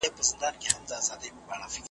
زلمی چي تللی وم بوډا راځمه .